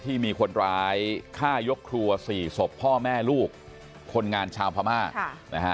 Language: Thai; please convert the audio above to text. ที่มีคนร้ายฆ่ายกครัว๔ศพพ่อแม่ลูกคนงานชาวพม่านะฮะ